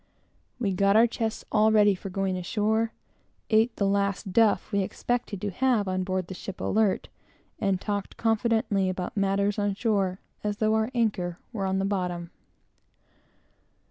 We got our chests all ready for going ashore, ate the last "duff" we expected to have on board the ship Alert; and talked as confidently about matters on shore as though our anchor were on the bottom.